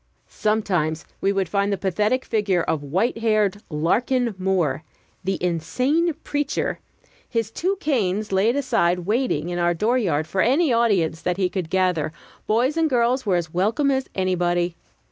Sometimes we would find the pathetic figure of white haired Larkin Moore, the insane preacher, his two canes lain aside, waiting, in our dooryard for any audience that he could gather: boys and girls were as welcome as anybody.